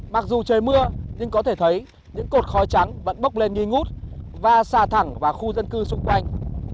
mặc dù trời mưa nhưng có thể thấy những cột khói trắng vẫn bốc lên nghi ngút và xà thẳng vào khu dân cư xung quanh